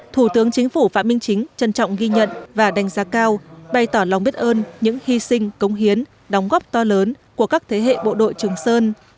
thủ tướng chính phủ phạm minh chính trân trọng ghi nhận và đánh giá cao bày tỏ lòng biết ơn những hy sinh công hiến đóng góp to lớn của các thế hệ bộ đội trường sơn